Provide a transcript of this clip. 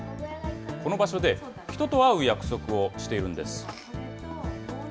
この場所で、人と会う約束をしているんです。